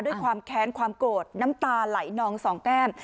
ความแค้นความโกรธน้ำตาไหลนองสองแก้ม